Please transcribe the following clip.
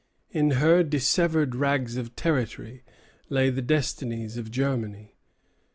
In her dissevered rags of territory lay the destinies of Germany.